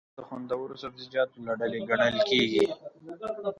توربانجان د خوندورو سبزيجاتو له ډلې ګڼل کېږي.